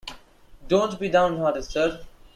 Don't be down-hearted, sir.